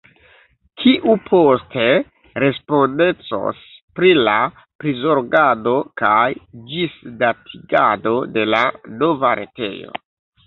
Kiu poste respondecos pri la prizorgado kaj ĝisdatigado de la nova retejo?